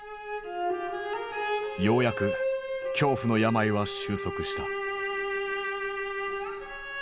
ようやく恐怖の病は終息した。